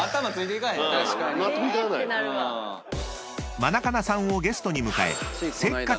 ［マナカナさんをゲストに迎え］